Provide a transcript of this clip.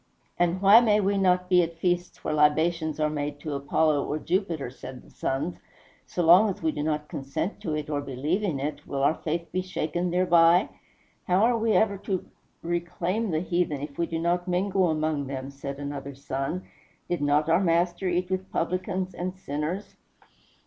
"And why may we not be at feasts where libations are made to Apollo or Jupiter?" said the sons; "so long as we do not consent to it or believe in it, will our faith be shaken thereby?" "How are we ever to reclaim the heathen, if we do not mingle among them?" said another son; "did not our Master eat with publicans and sinners?"